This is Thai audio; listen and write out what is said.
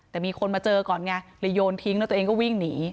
แต่มีคนมาเจอก่อนไงเลยโยนทิ้งแล้วตัวเองก็วิ่งหนี